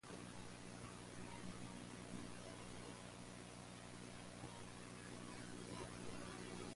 The river shown in the photograph changes names on either side of this bridge.